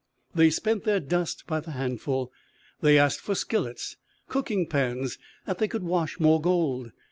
They spent their dust by the handful. They asked for skillets, cooking pans, that they could wash more gold.